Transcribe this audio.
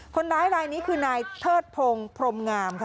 คนร้ายรายนี้คือนายเทิดพงศ์พรมงามค่ะ